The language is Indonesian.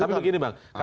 tapi begini bang